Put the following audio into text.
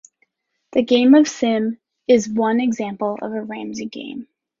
The game of Sim is one example of a Ramsey game.